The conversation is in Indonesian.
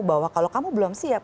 bahwa kalau kamu belum siap